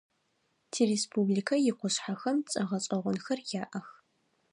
Тиреспубликэ икъушъхьэхэм цӏэ гъэшӏэгъонхэр яӏэх.